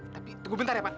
tapi tunggu bentar ya pak